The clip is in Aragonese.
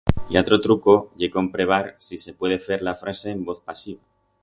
Y atro truco ye comprebar si se puede fer la frase en voz pasiva.